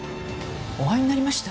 お会いになりました？